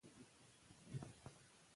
د خطرونو مدیریت زیانونه کموي.